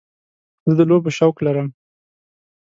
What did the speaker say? زه د لوبو شوق لرم.